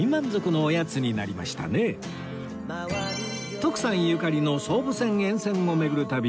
徳さんゆかりの総武線沿線を巡る旅